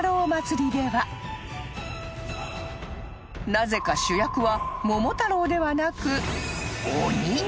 ［なぜか主役は桃太郎ではなく］